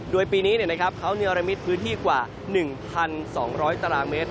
โดยปีนี้เขาเนรมิตพื้นที่กว่า๑๒๐๐ตารางเมตร